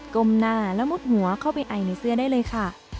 ก้มหน้าและมุดหัวเข้าไปไอในเสื้อได้เลยค่ะ